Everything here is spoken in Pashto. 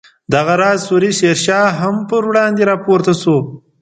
دغه راز سوري شیر شاه هم پر وړاندې راپورته شو.